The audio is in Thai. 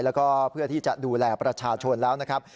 แล้วก็เพื่อที่จะดูแลประชาชนแล้วนะครับ